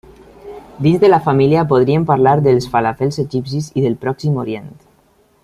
Dins de la família, podríem parlar dels falafels egipcis i del Pròxim Orient.